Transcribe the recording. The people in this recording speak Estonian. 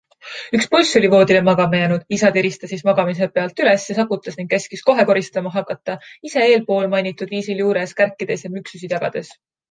Üks poiss oli voodile magama jäänud - isa tiris ta siis magamise pealt üles ja sakutas ning käskis kohe koristama hakata, ise eelpoolmainitud viisil juures kärkides ja müksusid jagades.